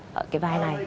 cái vai này